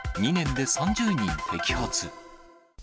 ２年で３０人摘発。